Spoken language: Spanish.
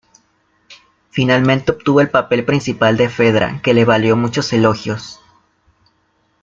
Finalmente obtuvo el papel principal de Fedra, que le valió muchos elogios.